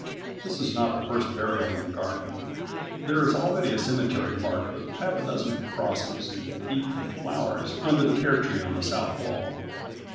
This is not the first burial in the garden. There is already a cemetery marked with half a dozen crosses and heaped with flowers under the pear tree on the south wall.